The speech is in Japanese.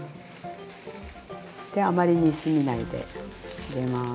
あまり煮すぎないで入れます。